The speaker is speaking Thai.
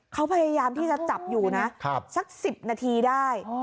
เขาพยายามที่จะจับอยู่นะสัก๑๐นาทีได้